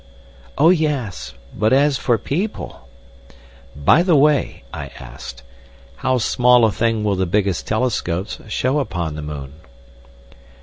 "Oh, yes. But as for people—!" "By the way," I asked, "how small a thing will the biggest telescopes show upon the moon?"